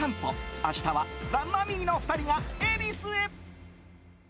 明日はザ・マミィの２人が恵比寿へ！